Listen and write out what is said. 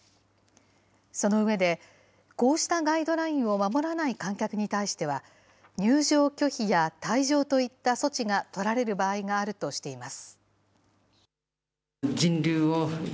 その上で、こうしたガイドラインを守らない観客に対しては、入場拒否や退場といった措置が取られる場合があるとしています。